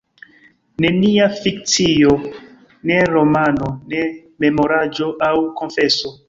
Nenia fikcio, ne romano, ne memoraĵo aŭ konfeso.